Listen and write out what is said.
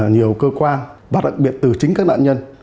nhiều cơ quan và đặc biệt từ chính các nạn nhân